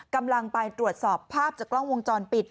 กำลังไปตรวจสอบภาพจากกล้องวงจรปิด